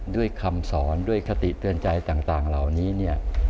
ด้วยคำสอนด้วยคติเตือนใจต่างเหล่านี้เนี่ย